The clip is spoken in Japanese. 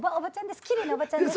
奇麗なおばちゃんです。